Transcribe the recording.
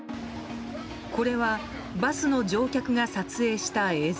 これはバスの乗客が撮影した映像。